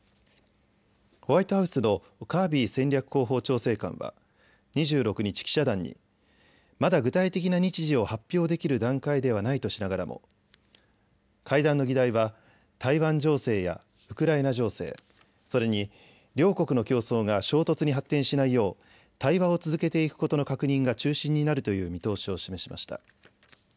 ホワイトハウスのカービー戦略広報調整官は２６日、記者団にまだ具体的な日時を発表できる段階ではないとしながらも会談の議題は台湾情勢やウクライナ情勢、それに両国の競争が衝突に発展しないよう対話を続けていくことの確認が中心になるという見通しを示しました。